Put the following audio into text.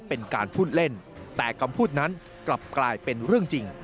เป็นการพูดเล่นแต่คำพูดนั้นกลับกลายเป็นเรื่องจริง